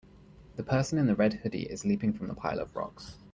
The person in the red hoodie is leaping from the pile of rocks.